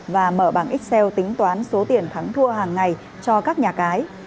và mở bằng excel tính toán số tiền thắng thua hàng ngày cho các nhà cái